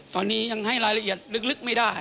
ตอนนี้ยังให้รายละเอียดลึกไม่ได้